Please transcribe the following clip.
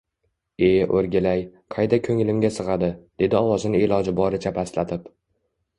E, oʻrgilay, qayda koʻnglimga sigʻadi, dedi ovozini iloji boricha pastlatib